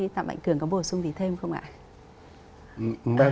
tạm mạnh cường có bổ sung gì thêm không ạ